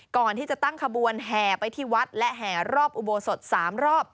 ก่อนที่จะตั้งขบวนแห่ไปที่วัดและแห่รอบอุโบสถ๓รอบ